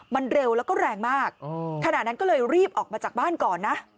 มันเร็วแล้วก็แรงมากขณะนั้นก็เลยรีบออกมาจากบ้านก่อนนะ